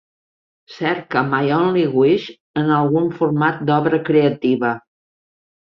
Cerca My Only Wish en algun format d'obra creativa